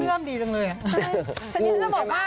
ตัวเขาเบื่อมดีจังเลย